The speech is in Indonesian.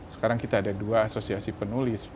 sekarang kita ada dua asosiasi penulis